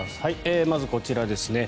まずこちらですね。